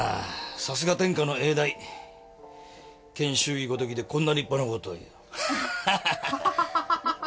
さすが天下の永大研修医ごときでこんな立派なことを言う